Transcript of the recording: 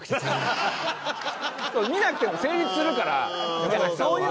見なくても成立するから山崎さんは。